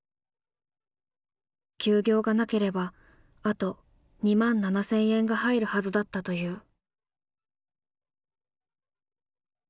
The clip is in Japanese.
休業がなければあと２万７，０００円が入るはずだったという。